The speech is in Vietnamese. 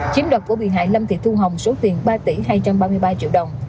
chiếm đoạt của bị hại lâm thị thu hồng số tiền ba tỷ hai trăm ba mươi ba triệu đồng